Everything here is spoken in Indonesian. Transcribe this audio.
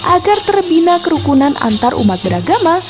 agar terbina kerukunan antarumat beragama